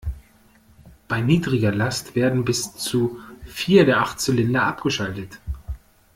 Bei niedriger Last werden bis zu vier der acht Zylinder abgeschaltet.